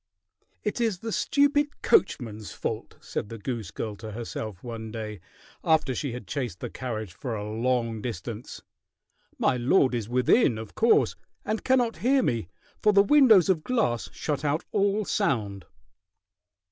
"It is the stupid coachman's fault," said the goose girl to herself one day, after she had chased the carriage for a long distance. "My lord is within, of course, and cannot hear me, for the windows of glass shut out all sound."